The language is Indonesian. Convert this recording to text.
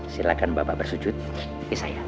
silahkan bapak bersujud ke saya